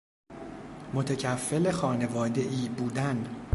متکفل خانواده ای بودن